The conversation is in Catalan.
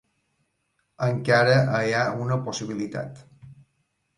Encara hi ha una possibilitat.